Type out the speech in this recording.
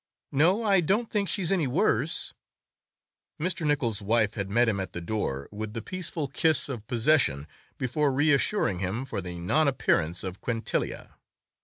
"No, I don't think she's any worse." Mr. Nichols's wife had met him at the door with the peaceful kiss of possession before reassuring him for the non appearance of Quintilia.